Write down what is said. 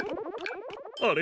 あれ？